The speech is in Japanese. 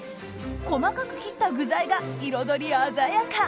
細かく切った具材が彩り鮮やか！